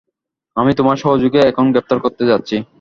আমি তোমার সহযোগীকে এখন গ্রেপ্তার করতে যাচ্ছি।